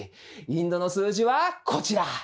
インドの数字はこちら。